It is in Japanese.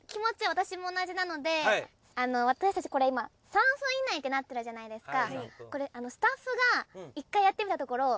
私も同じなのであの私たちこれ今３分以内ってなってるじゃないですか。